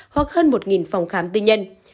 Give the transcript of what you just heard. hoặc hơn một phòng khám tư nhân